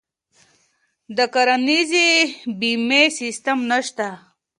د کرنیزې بیمې سیستم نشته.